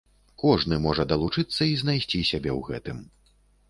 Кожны можа далучыцца і знайсці сябе ў гэтым.